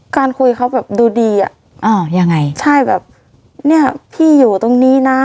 คุยเขาแบบดูดีอ่ะอ่ายังไงใช่แบบเนี้ยพี่อยู่ตรงนี้นะ